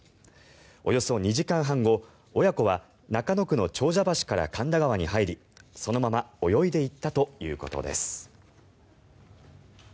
およそ２時間半後親子は中野区の長者橋から神田川に入りそのまま泳いでいったということです。